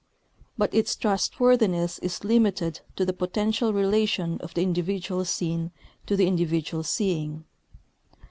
But its trustworthiness is limited to the potential relation of the individual seen to the individual seeing.